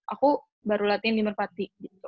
aku baru latihan di merpati gitu